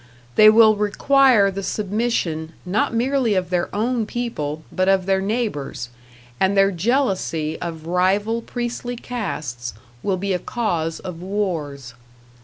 They will require the submission, not merely of their own people, but of their neighbors, and their jealousy of rival priestly castes will be a cause of wars.